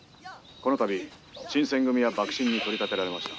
「この度新選組は幕臣に取り立てられました」。